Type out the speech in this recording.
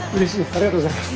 ありがとうございます。